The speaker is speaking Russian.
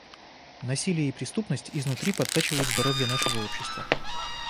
Насилие и преступность изнутри подтачивают здоровье нашего общества.